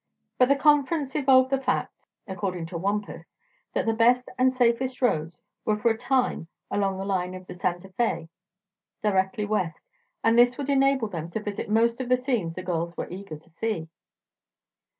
But the conference evolved the fact, according to Wampus, that the best and safest roads were for a time along the line of the Santa Fe, directly west; and this would enable them to visit most of the scenes the girls were eager to see.